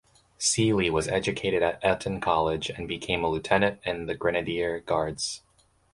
Seely was educated at Eton College and became a Lieutenant in the Grenadier Guards.